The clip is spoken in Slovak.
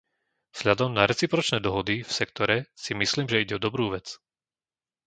Vzhľadom na recipročné dohody v sektore si myslím, že ide o dobrú vec.